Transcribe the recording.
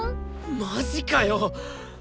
マジかよ！？